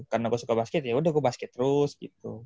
karena gue suka basket ya udah gue basket terus gitu